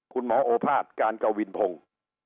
คุณหมอโอภาสการกวินพงษ์